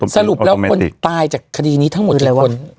สรุปแล้วคนตายจากคดีนี้ทั้งหมดเลยคน